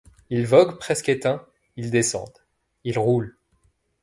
Ils voguent presque éteints, ils descendent ; ils roulent ;